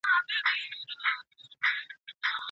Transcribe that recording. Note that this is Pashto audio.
که درس په مورنۍ ژبه وي نو ژر درک کیږي.